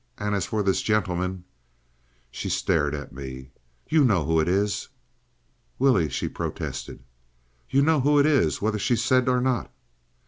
And as for this gentleman—" She stared at me. "You know who it is." "Willie!" she protested. "You know who it is, whether she said or not?"